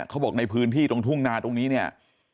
เขาบอกในพื้นที่ตรงทุ่งนาตรงนี้เนี่ย